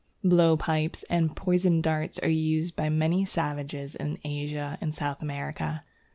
Blowpipes and poisoned darts are used by many savages in Asia and South America.